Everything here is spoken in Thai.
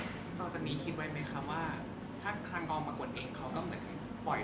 ถ้าคลังตอบมาคนเองเขาก็เหมือนปล่อยลอยแผนเราเลย